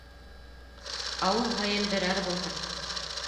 Ауыл һайын берәр булһын.